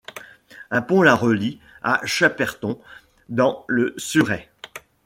Un pont la relie à Shepperton dans le Surrey.